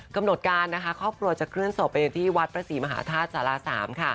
กำหนดการนะคะครอบครัวจะเคลื่อนศพไปที่วัดพระศรีมหาธาตุสารา๓